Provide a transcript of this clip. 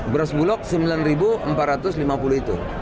beras bulog rp sembilan empat ratus lima puluh itu